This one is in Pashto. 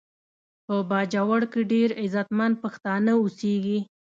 په باجوړ کې ډیر غیرتمند پښتانه اوسیږي